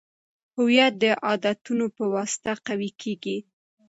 هویت د عادتونو په واسطه قوي کیږي.